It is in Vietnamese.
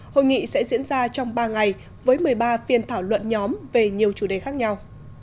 hội nghị sẽ diễn ra trong ba ngày với một mươi ba phiên thảo luận nhóm về nhiều chủ đề khác nhau